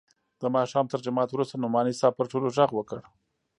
د ماښام تر جماعت وروسته نعماني صاحب پر ټولو ږغ وکړ.